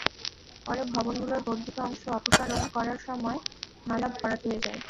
পরে ভবনগুলোর বর্ধিত অংশ অপসারণ করার সময় নালা ভরাট হয়ে যায়।